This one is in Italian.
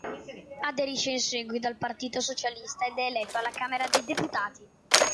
Aderisce in seguito al Partito Socialista ed è eletto alla Camera dei Deputati.